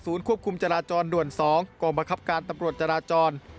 ควบคุมจราจรด่วน๒กองบังคับการตำรวจจราจร